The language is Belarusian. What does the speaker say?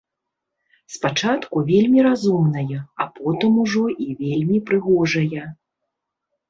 Спачатку вельмі разумная, а потым ужо і вельмі прыгожая.